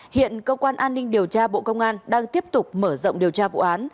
hiện cơ quan an ninh điều tra bộ công an đang tiếp tục mở rộng điều tra vụ án